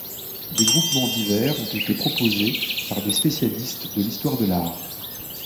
Des groupements divers ont été proposés par des spécialistes de l'histoire de l'art.